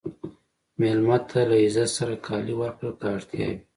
مېلمه ته له عزت سره کالي ورکړه که اړتیا وي.